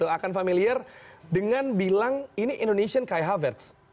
akan familiar dengan bilang ini indonesian kai havertz